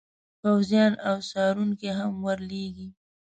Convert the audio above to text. پوځیان او څارونکي هم ور لیږي.